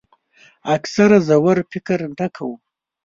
اکثره ژور فکر نه کوي.